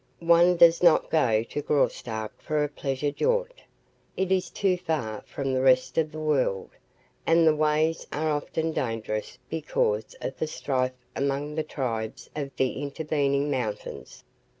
One does not go to Graustark for a pleasure jaunt. It is too far from the rest of the world and the ways are often dangerous because of the strife among the tribes of the intervening mountains.